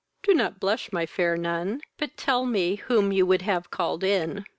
Do not blush, my fair nun, but tell me whom you would have called in."